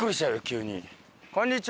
急に。